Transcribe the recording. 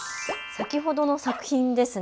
先ほどの作品ですね。